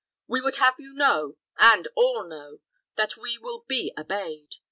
We would have you know, and all know, that we will be obeyed.